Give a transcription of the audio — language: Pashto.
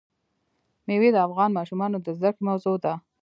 مېوې د افغان ماشومانو د زده کړې موضوع ده.